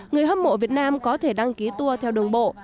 người hâm mộ việt nam có thể đăng ký tour theo đường bộ